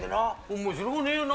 面白くねえよな。